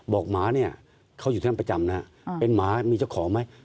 หมาเนี่ยเขาอยู่ท่านประจำนะเป็นหมามีเจ้าของไหม